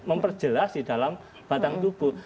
memperjelas di dalam batang tubuh